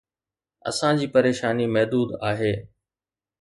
اسان جي پريشاني محدود آهي.